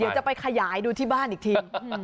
เดี๋ยวจะไปขยายดูที่บ้านอีกที